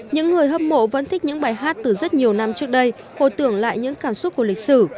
những người hâm mộ vẫn thích những bài hát từ rất nhiều năm trước đây hồi tưởng lại những cảm xúc của lịch sử